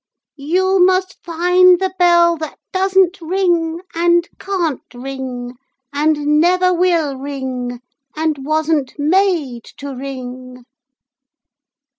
'You must find the bell that doesn't ring, and can't ring, and never will ring, and wasn't made to ring.'